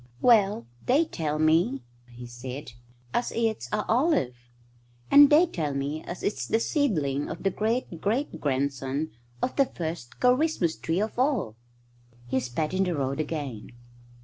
"Well, they tell me," he said, "as it's a olive. And they tell me as it's the seedling of the great great grandson of the first Ker rismus tree of all." He spat in the road again.